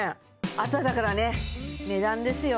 あとはだからね値段ですよ